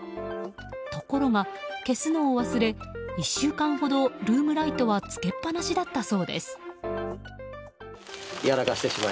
ところが、消すのを忘れ１週間ほどルームライトはつけっぱなしだったそうです。